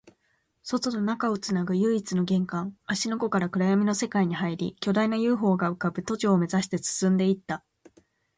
外と中をつなぐ唯一の玄関、芦ノ湖から暗闇の世界に入り、巨大な ＵＦＯ が浮ぶ都庁を目指して進んでいった